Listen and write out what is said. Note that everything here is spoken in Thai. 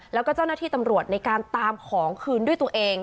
แล้วก็เจ้าหน้าที่ตำรวจในการตามของคืนด้วยตัวเอง